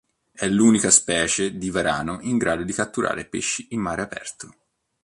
È l'unica specie di varano in grado di catturare pesci in mare aperto.